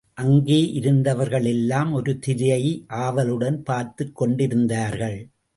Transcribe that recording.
அங்கே இருந்தவர்களெல்லாம் ஒரு திரையை ஆவலுடன் பார்த்துக் கொண்டிருந்தார்கள்.